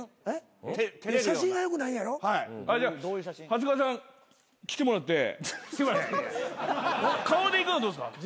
長谷川さん来てもらって顔でいくのどうですか？